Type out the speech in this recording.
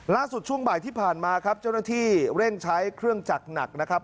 ช่วงบ่ายที่ผ่านมาครับเจ้าหน้าที่เร่งใช้เครื่องจักรหนักนะครับ